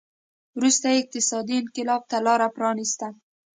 وروسته یې اقتصادي انقلاب ته لار پرانېسته.